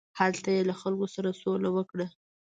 هلته یې له خلکو سره سوله وکړه.